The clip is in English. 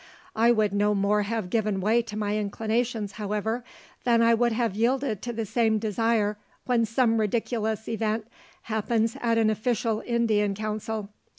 I would no more have given way to my inclinations, however, than I would have yielded to the same desire when some ridiculous event happens at an official Indian council.